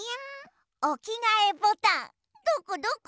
おきがえボタンどこどこ？